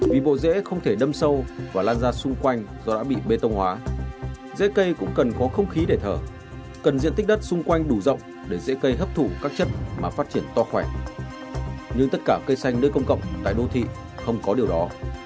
trong khuôn viên trường học dễ cây cũng cần có không khí để thở cần diện tích đất xung quanh đủ rộng để dễ cây hấp thụ các chất mà phát triển to khỏe nhưng tất cả cây xanh nơi công cộng tại đô thị không có điều đó